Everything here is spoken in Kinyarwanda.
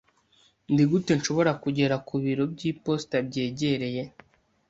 Nigute nshobora kugera ku biro by'iposita byegereye?